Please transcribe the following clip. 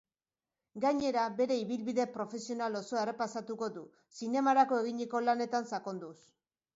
Gainera, bere ibilbide profesional osoa errepasatuko du, zinemarako eginiko lanetan sakonduz.